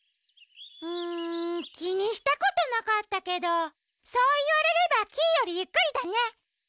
うんきにしたことなかったけどそういわれればキイよりゆっくりだね。